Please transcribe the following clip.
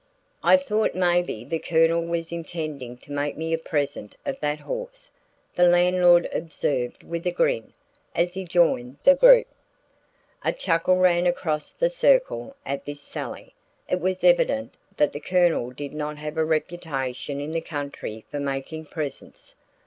"I thought maybe the Colonel was intending to make me a present of that horse," the landlord observed with a grin, as he joined the group. A chuckle ran around the circle at this sally. It was evident that the Colonel did not have a reputation in the county for making presents.